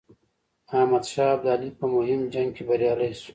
احمدشاه ابدالي په مهم جنګ کې بریالی شو.